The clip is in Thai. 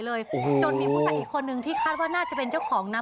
โหโหจนมีคนอื่นที่คาดว่าเป็นเจ้าของน้ำ